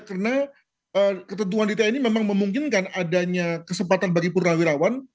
karena ketentuan di tni memang memungkinkan adanya kesempatan bagi purrawirawan